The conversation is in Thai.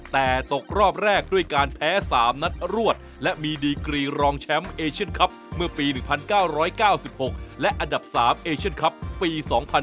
แต่ตกรอบแรกด้วยการแพ้๓นัดรวดและมีดีกรีรองแชมป์เอเชียนคลับเมื่อปี๑๙๙๖และอันดับ๓เอเชียนคลับปี๒๐๑๖